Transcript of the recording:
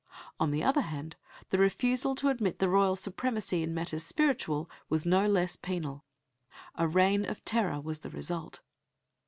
On the other hand the refusal to admit the royal supremacy in matters spiritual was no less penal. A reign of terror was the result.